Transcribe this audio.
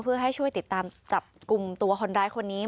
เพื่อให้ช่วยติดตามจับกลุ่มตัวคนร้ายคนนี้